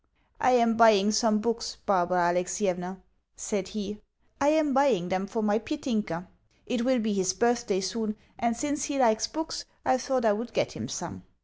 "I am buying some books, Barbara Alexievna," said he, "I am buying them for my Petinka. It will be his birthday soon, and since he likes books I thought I would get him some."